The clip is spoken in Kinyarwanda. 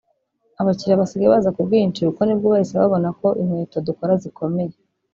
abakiliya basigaye baza ku bwinshi kuko nibwo bahise babona ko inkweto dukora zikomeye